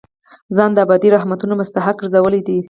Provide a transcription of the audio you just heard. ځان د ابدي رحمتونو مستحق ګرځول دي.